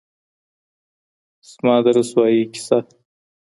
زمـــا د رسـوايـۍ كـيسه